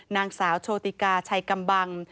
นางสาวโชติกาชัยกำบัง